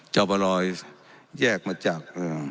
เจ้าปะรอแยกมาจาก